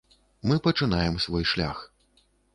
Мы пачынаем свой шлях.